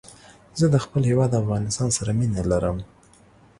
زه د خپل هېواد افغانستان سره مينه لرم